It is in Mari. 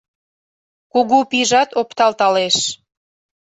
Кугу пийжат опталталеш.